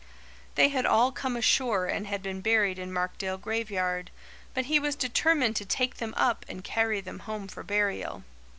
They had all come ashore and had been buried in Markdale graveyard; but he was determined to take them up and carry them home for burial.